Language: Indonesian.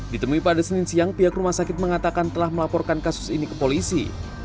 ditemui pada senin siang pihak rumah sakit mengatakan telah melaporkan kasus ini ke polisi